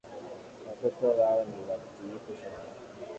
Watoto wao ni watiifu sana